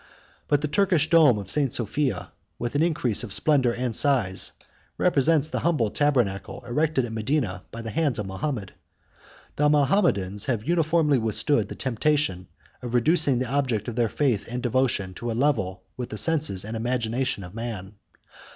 But the Turkish dome of St. Sophia, with an increase of splendor and size, represents the humble tabernacle erected at Medina by the hands of Mahomet. The Mahometans have uniformly withstood the temptation of reducing the object of their faith and devotion to a level with the senses and imagination of man.